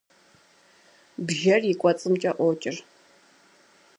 Бжэр и кӏуэцӏымкӏэ ӏуокӏыр.